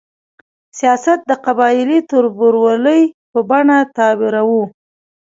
سیاست د قبایلي تربورولۍ په بڼه تعبیروو.